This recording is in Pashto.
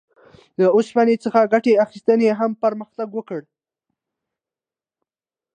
له اوسپنې څخه ګټې اخیستنې هم پرمختګ وکړ.